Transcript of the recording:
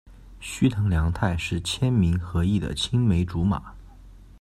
须藤良太是千明和义的青梅竹马。